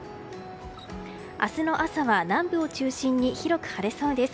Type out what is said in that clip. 明日の朝は南部を中心に広く晴れそうです。